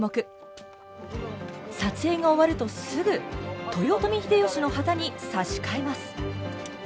撮影が終わるとすぐ豊臣秀吉の旗に差し替えます。